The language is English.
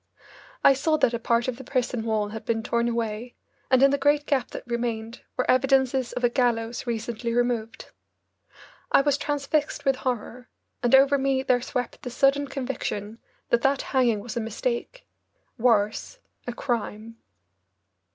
I saw that a part of the prison wall had been torn away, and in the great gap that remained were evidences of a gallows recently removed. I was transfixed with horror, and over me there swept the sudden conviction that that hanging was a mistake worse, a crime.